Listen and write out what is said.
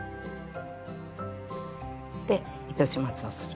で糸始末をする。